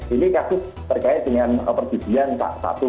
ini kasus terkait dengan perjudian satu